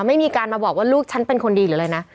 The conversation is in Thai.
ไม่มีการมาบอกว่าลูกฉันเป็นคนดีหรืออะไรนะ